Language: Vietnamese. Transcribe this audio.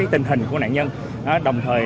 tình hình của nạn nhân